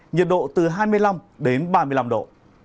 nhiệt độ từ hai mươi năm đến ba mươi năm độ